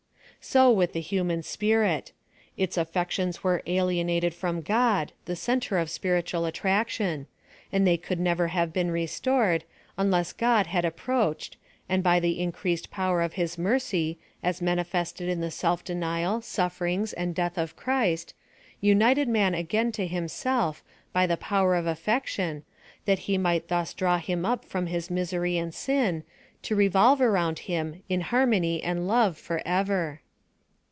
So with the human spirit; its alTections were alienated from God, the centre of spiritual attraction, and they could nevei '^ave been restored, unless God had ap proached, and by the increased power of liis mercy, as manifested in the self denial, sufferings, and death of Christ, united man again to himself, by the pow er of affection, tliat he might thus draw him up from his misery and sin, to revolve around him, in har mony and love, forever.